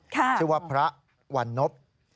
ชื่อว่าพระวันนพ